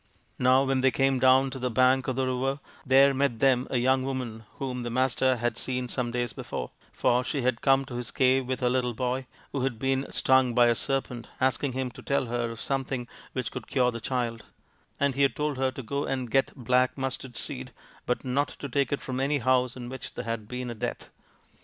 Now when they came down to the bank of the river there met them a young woman whom the Master had seen some days before ; for she had come to his cave with her little boy, who had been stung by a serpent, asking him to tell her of some thing which would cure the child ; and he had told her to go and get black mustard seed, but not to take it from any house in which there had been a death.